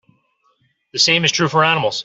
The same is true for animals.